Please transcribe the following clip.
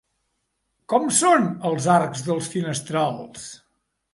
Com són els arcs dels finestrals?